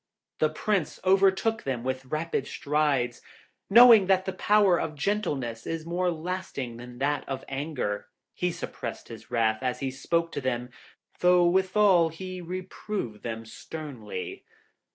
The Prince overtook them with rapid strides, and knowing that the power of gentleness is more lasting than that of anger, he suppressed his wrath as he spoke to them, though withal he reproved them sternly.